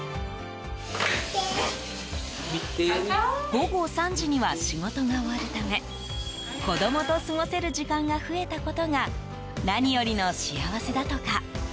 午後３時には仕事が終わるため子供と過ごせる時間が増えたことが何よりの幸せだとか。